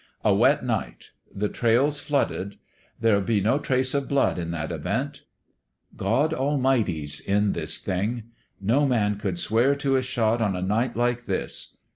... A wet night. The trail's flooded. There'd be no trace of blood in that event. God Almighty's in this thing. No man could swear to a shot on a night like this.